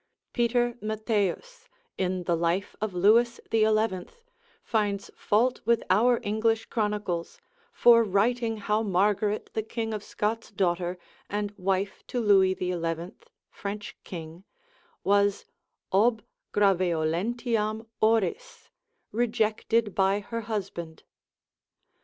Peter Mattheus, in the life of Lewis the Eleventh, finds fault with our English chronicles, for writing how Margaret the king of Scots' daughter, and wife to Louis the Eleventh, French king, was ob graveolentiam oris, rejected by her husband.